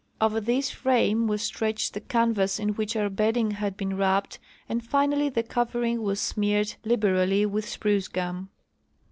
Over this frame Avas stretched the canvas in Avhich our bedding had been wrapped and finally the covering Avas smeared liberally Avith sprucegum.